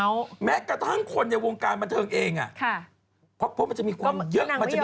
ทำกิจกรรมเพื่อสามขมเยอะด้วยนะ